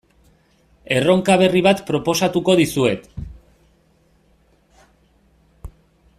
Erronka berri bat proposatuko dizuet.